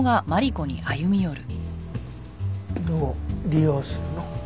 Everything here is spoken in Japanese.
どう利用するの？